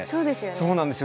そうなんですよ。